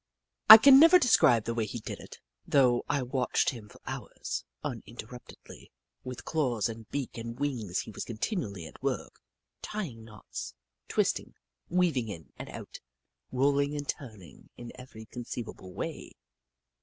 I can never describe the way he did it, thoueh I watched him for hours, uninter ruptedly. With claws and beak and wings he was continually at work, tying knots, twisting, weaving in and out, rolling and turning in every conceivable way.